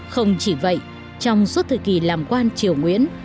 không chỉ vậy trong suốt thời kỳ làm quan triều nguyễn